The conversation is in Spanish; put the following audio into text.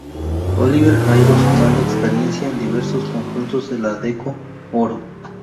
Oliver ha ido sumando experiencia en diversos conjuntos de la Adecco Oro.